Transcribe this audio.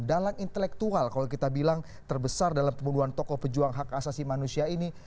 dalang intelektual kalau kita bilang terbesar dalam pembunuhan tokoh pejuang hak asasi manusia ini